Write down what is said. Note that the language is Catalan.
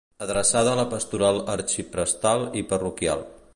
Adreçada a la pastoral arxiprestal i parroquial.